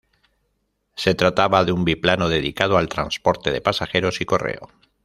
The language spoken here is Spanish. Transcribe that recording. Se trataba de un biplano dedicado al transporte de pasajeros y correo.